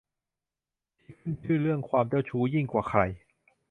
ที่ขึ้นชื่อเรื่องความเจ้าชู้ยิ่งกว่าใคร